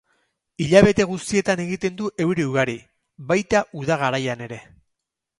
Hilabete guztietan egiten du euri ugari, baita uda garaian ere.